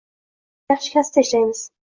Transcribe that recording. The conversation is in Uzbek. Biz yaxshi kasbda ishlaymiz.